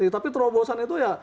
tapi terobosan itu ya